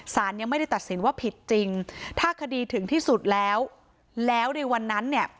สารยังไม่ได้ตัดสินว่าผิดจริงถ้าคดีถึงที่สุดแล้วแล้วในวันนั้นเนี่ย